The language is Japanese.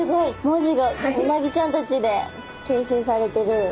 文字がうなぎちゃんたちで形成されてる。